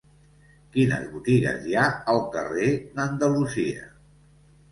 Quines botigues hi ha al carrer d'Andalusia?